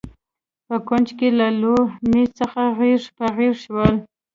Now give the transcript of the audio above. په کونج کې له لوی مېز څخه غېږ په غېږ شول.